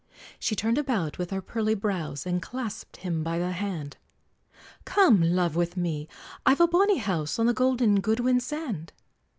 She turned about with her pearly brows, And clasped him by the hand; "Come, love, with me; I've a bonny house On the golden Goodwin sand."